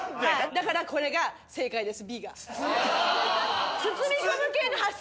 だからこれが正解です